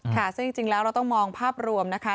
ค่ะซึ่งจริงแล้วเราต้องมองภาพรวมนะคะ